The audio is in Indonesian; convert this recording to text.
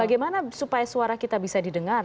bagaimana supaya suara kita bisa didengar